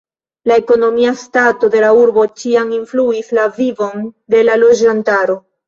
La ekonomia stato de la urbo ĉiam influis la vivon de la loĝantaro.